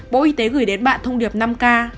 bộ y tế gửi đến bạn thông điệp năm k